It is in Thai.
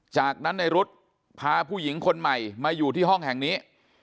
จากนั้นในรุ๊ดพาผู้หญิงคนใหม่มาอยู่ที่ห้องแห่งนี้